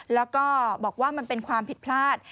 แล้วก็บอกว่ามันเป็นความผิดพลาด